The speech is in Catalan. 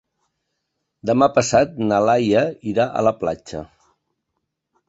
Demà passat na Laia irà a la platja.